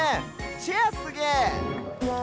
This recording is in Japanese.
チェアすげえ！